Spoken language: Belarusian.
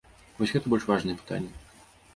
Вось гэта больш важныя пытанні.